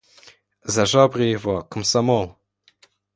За жабры его, – комсомол!